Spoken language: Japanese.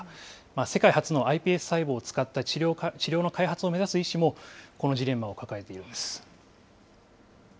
世界初のｉＰＳ細胞を使った治療の開発を目指す医師も、このジレンマを抱えているんです。